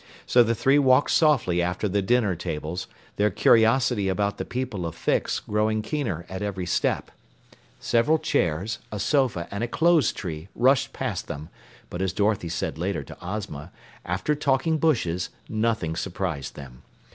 So the three walked softly after the dinner tables, their curiosity about the people of Fix growing keener at every step. Several chairs, a sofa and a clothes tree rushed past them, but as Dorothy said later to Ozma, after talking bushes, nothing surprised them.